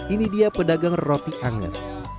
ini dia pedagang roti anget